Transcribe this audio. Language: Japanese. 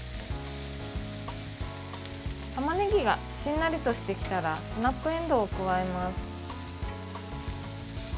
たまねぎがしんなりとしてきたらスナップえんどうを加えます。